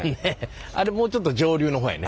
あれもうちょっと上流の方やね。